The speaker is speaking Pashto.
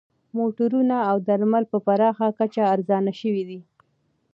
موټرونه او درمل په پراخه کچه ارزانه شوي دي